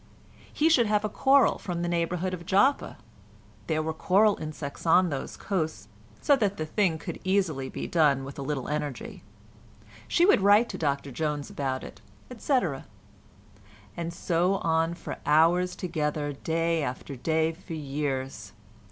He should have a coral from the neighbourhood of Joppa—there were coral insects on those coasts, so that the thing could easily be done with a little energy; she would write to Dr Jones about it, etc. And so on for hours together day after day for years.